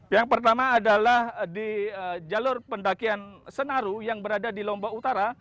yang pertama adalah di jalur pendakian senaru yang berada di lombok utara